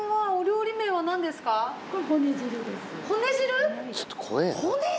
骨汁？